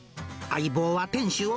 相棒は店主を。